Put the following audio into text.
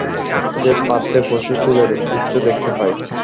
সে পাত্রে প্রচুর চুলের গুচ্ছ দেখতে পায়।